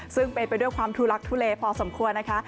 ซึ่งเป็นไปด้วยความทุลักทุเลพอสมควรนะคะ